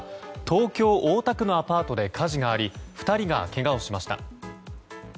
東京・大田区のアパートで火事があり２人がけがをしました。